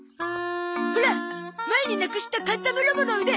ほら前になくしたカンタムロボの腕！